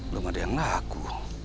belum ada yang laku